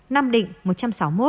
nam định một trăm sáu mươi một